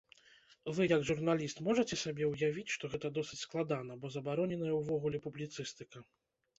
Вы, як журналіст, можаце сабе ўявіць, што гэта досыць складана, бо забароненая ўвогуле публіцыстыка!